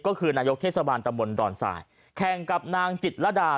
ก็คือนายกเทศบาลตำบลดอนสายแข่งกับนางจิตรดา